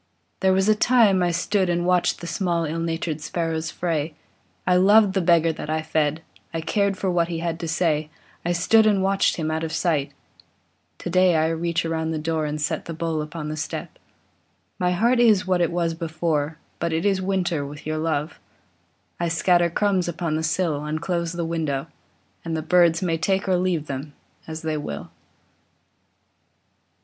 There was a time I stood and watched The small, ill natured sparrows' fray; I loved the beggar that I fed, I cared for what he had to say, I stood and watched him out of sight; Today I reach around the door And set a bowl upon the step; My heart is what it was before, But it is winter with your love; I scatter crumbs upon the sill, And close the window, and the birds May take or leave them, as they will.